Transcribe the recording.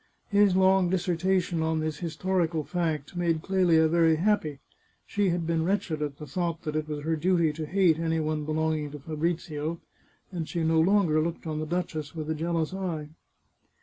His long dissertation on this historical fact made Clelia very happy ; she had been wretched at the thought that it was her duty to hate any one belonging to Fabrizio, and she no longer looked on the duchess with a jealous eye.